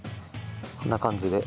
こんな感じで。